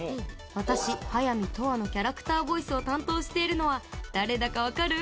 私速水永遠のキャラクターボイスを担当しているのは誰だかわかる？